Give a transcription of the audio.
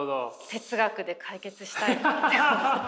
哲学で解決したいって思った。